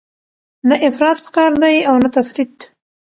نه افراط پکار دی او نه تفریط.